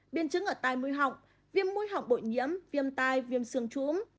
biên chứng ở tai mũi họng viêm mũi họng bội nhiễm viêm tai viêm xương trũm